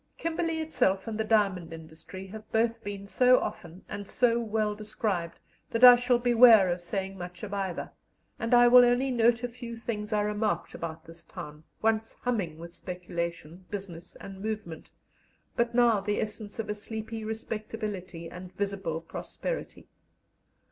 Kimberley itself and the diamond industry have both been so often and so well described that I shall beware of saying much of either, and I will only note a few things I remarked about this town, once humming with speculation, business, and movement, but now the essence of a sleepy respectability and visible prosperity.